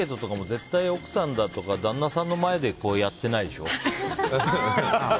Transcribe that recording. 絶対、奥さんだとか旦那さんの前でやってないでしょ。